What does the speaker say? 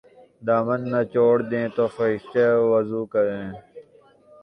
دامن نچوڑ دیں تو فرشتے وضو کریں''